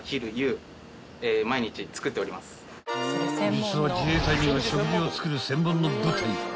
［実は自衛隊には食事を作る専門の部隊が］